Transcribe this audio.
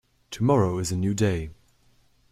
Tomorrow is a new day.